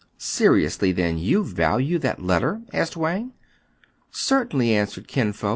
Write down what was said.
" Seriously, then, you value that letter t " asked Wang. "Certainly," answered Kin Fo.